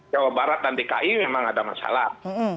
jawa barat dan dki memang ada masalah